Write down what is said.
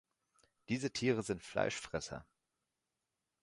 Diese Tiere sind Fleischfresser.